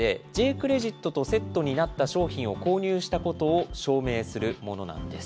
クレジットとセットになった商品を購入したことを証明するものなんです。